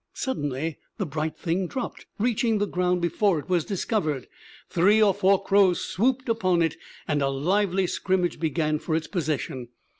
Suddenly the bright thing dropped, reaching the ground before it was discovered. Three or four crows swooped upon it, and a lively scrimmage began for its possession.